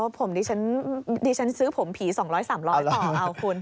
อ๋อผมดิฉันดิฉันซื้อผมผี๒๐๐๓๐๐บาทต่อเอาคุณ